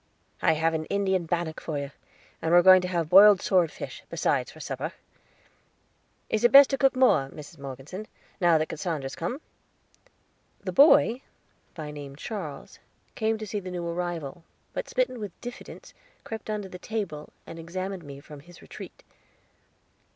"I have made an Indian bannock for you, and we are going to have broiled sword fish, besides, for supper. Is it best to cook more, Mrs. Morgeson, now that Cassandra has come?" The boy, by name Charles, came to see the new arrival, but smitten with diffidence crept under the table, and examined me from his retreat.